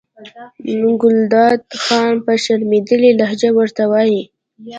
ګلداد خان په شرمېدلې لهجه ورته وایي.